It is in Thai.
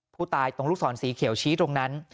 ตรงลูกศรสีเขียวชี้ตรงนั้น